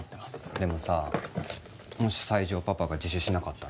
でもさもし西城パパが自首しなかったら？